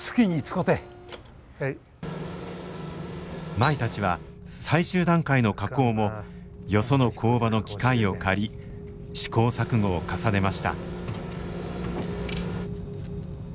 舞たちは最終段階の加工もよその工場の機械を借り試行錯誤を重ねました。